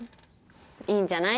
いいんじゃない？